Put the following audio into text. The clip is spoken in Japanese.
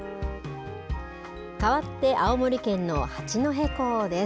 かわって青森県の八戸港です。